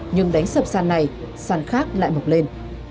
nhưng đánh sập sàn này săn khác lại mọc lên